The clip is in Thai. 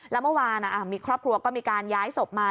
แล้วเมื่อวานมีครอบครัวก็มีการย้ายศพมา